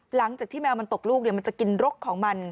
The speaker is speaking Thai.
หลังจากที่แมวมันตกลูกมันจะกินลกของมัน